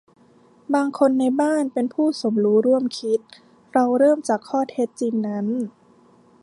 บางคนในบ้านเป็นผู้สมรู้ร่วมคิด - เราเริ่มจากข้อเท็จจริงนั้น